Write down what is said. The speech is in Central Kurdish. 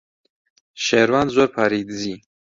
شێروان زۆر پارەی دزی.